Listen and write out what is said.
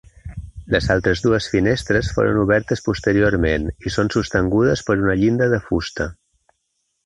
Les altres dues finestres foren obertes posteriorment i són sostingudes per una llinda de fusta.